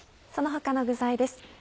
その他の具材です